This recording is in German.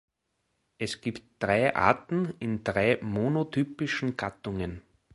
Es gibt drei Arten, in drei monotypischen Gattungen.